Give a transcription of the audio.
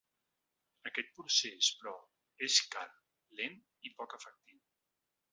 Aquest procés, però, és car, lent i poc efectiu.